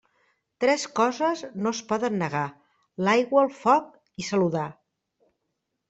Tres coses no es poden negar: l'aigua, el foc i saludar.